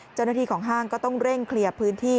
เจ้าหน้าที่ของห้างก็ต้องเร่งเคลียร์พื้นที่